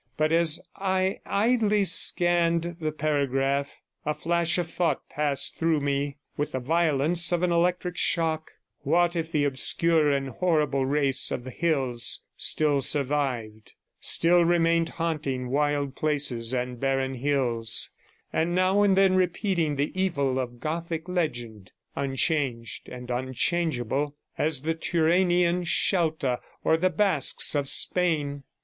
But as I idly scanned the paragraph, a flash of thought passed through me with the violence of an electric shock: what if the obscure and horrible race of the hills still survived, still remained haunting wild places and barren hills, and now and then repeating the evil of Gothic legend, unchanged and unchangeable as the Turanian Shelta, or the Basques of Spain?